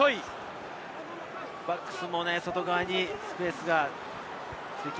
バックスの外側にスペースがある。